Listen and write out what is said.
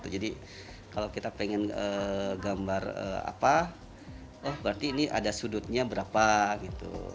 jadi kalau kita ingin gambar apa berarti ini ada sudutnya berapa gitu